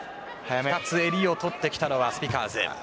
２つ襟を取ってきたのはスピカーズ。